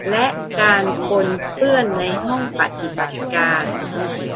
และการปนเปื้อนในห้องปฏิบัติการ